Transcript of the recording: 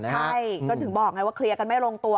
ใช่จนถึงบอกไงว่าเคลียร์กันไม่ลงตัว